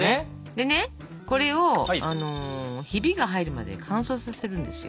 でねこれをヒビが入るまで乾燥させるんですよ。